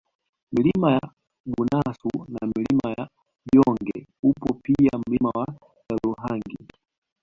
Milima ya Bunasu na Milima ya Byonge upo pia Mlima Chaluhangi